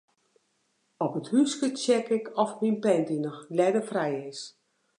Op it húske check ik oft myn panty noch ljedderfrij is.